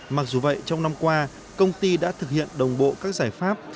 mặc dù vậy trong năm qua công ty đã thực hiện đồng bộ các giải pháp